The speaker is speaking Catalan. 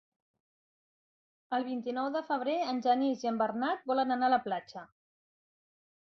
El vint-i-nou de febrer en Genís i en Bernat volen anar a la platja.